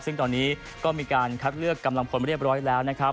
ซึ่งตอนนี้ก็มีการคัดเลือกกำลังพลเรียบร้อยแล้วนะครับ